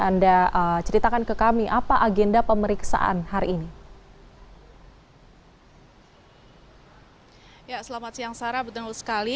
anda ceritakan ke kami apa agenda pemeriksaan hari ini ya selamat siang sarah betul sekali